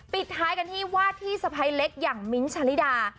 ปิดท้ายกันที่วาดที่สะพ้ายเล็กอย่างมิ้นท์ชาลิดา